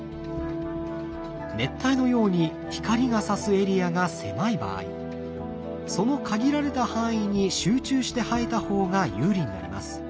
熱帯のように光がさすエリアが狭い場合その限られた範囲に集中して生えた方が有利になります。